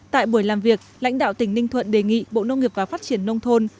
tại buổi làm việc lãnh đạo tỉnh ninh thuận đề nghị bộ nông nghiệp và phát triển nông thôn